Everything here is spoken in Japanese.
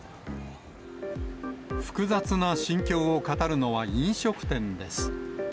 複雑な心境を語るのは、飲食店です。